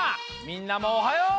みんなもおはよう！